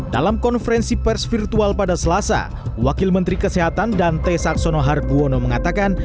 dalam konferensi pers virtual pada selasa wakil menteri kesehatan dante saxono harbuono mengatakan